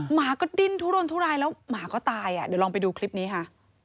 หมาก็ดิ้นทุรนทุรายแล้วหมาก็ตายอ่ะเดี๋ยวลองไปดูคลิปนี้ค่ะ